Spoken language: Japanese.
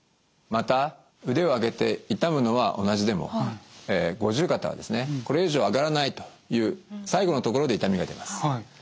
また腕を上げて痛むのは同じでも五十肩はですねこれ以上上がらないという最後のところで痛みが出ます。